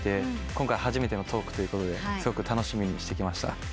今回初めてのトークということですごく楽しみにしてきました。